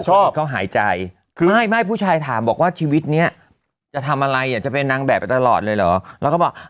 โอเคมั้ยให้ผู้ชายถามบอกว่าชีวิตเนี้ยจะทำอะไรไหนจะไปนั่งแบบไปตลอดเลยหรอ